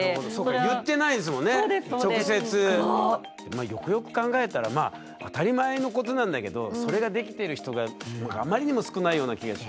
まあよくよく考えたらまあ当たり前のことなんだけどそれができてる人があまりにも少ないような気がしますけどね。